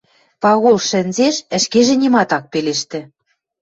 Пагул шӹнзеш, ӹшкежӹ нимат ак пелештӹ.